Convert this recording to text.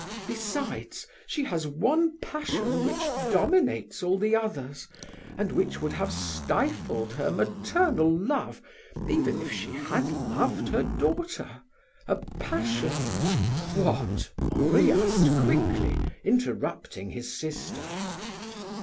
Besides, she has one passion which dominates all the others, and which would have stifled her maternal love, even if she had loved her daughter, a passion " "What?" Henri asked quickly, interrupting his sister.